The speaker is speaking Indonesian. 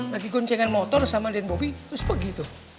lagi goncengkan motor sama den bobi terus pergi tuh